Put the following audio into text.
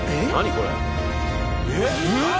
これ。